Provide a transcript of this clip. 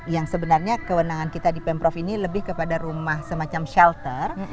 yang sebenarnya kewenangan kita di pemprov ini lebih kepada rumah semacam shelter